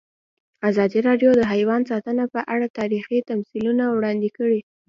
ازادي راډیو د حیوان ساتنه په اړه تاریخي تمثیلونه وړاندې کړي.